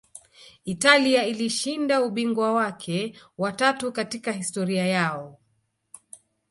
italia ilishinda ubingwa wake wa tatu katika historia yao